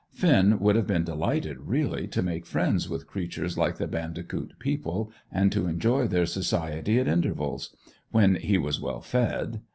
Finn would have been delighted, really, to make friends with creatures like the bandicoot people, and to enjoy their society at intervals when he was well fed.